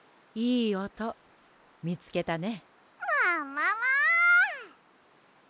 いいおとみつけたね。